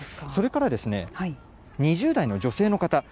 それから２０代の女性の方。